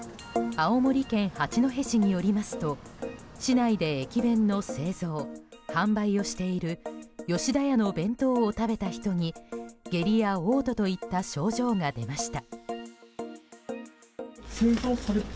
青森県八戸市によりますと市内で駅弁の製造・販売をしている吉田屋の弁当を食べた人に下痢や嘔吐といった症状が出ました。